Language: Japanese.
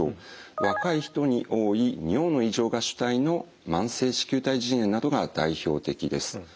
若い人に多い尿の異常が主体の慢性糸球体腎炎などが代表的です。